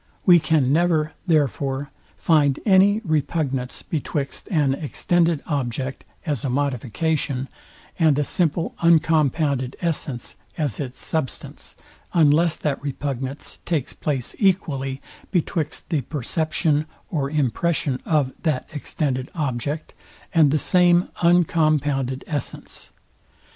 We can never, therefore, find any repugnance betwixt an extended object as a modification, and a simple uncompounded essence, as its substance, unless that repugnance takes place equally betwixt the perception or impression of that extended object, and the same uncompounded essence.